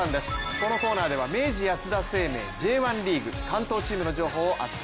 このコーナーでは明治安田生命Ｊ１リーグ関東チームの情報を熱く！